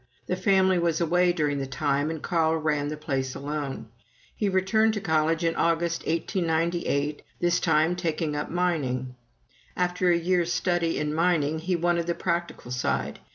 The family was away during that time, and Carl ran the place alone. He returned to college in August, 1898, this time taking up mining. After a year's study in mining he wanted the practical side.